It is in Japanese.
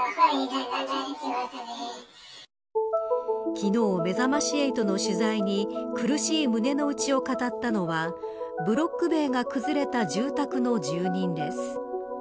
昨日、めざまし８の取材に苦しい胸のうちを語ったのはブロック塀が崩れた住宅の住人です。